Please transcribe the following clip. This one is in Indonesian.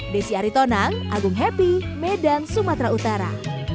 desi aritonang agung happy medan sumatera utara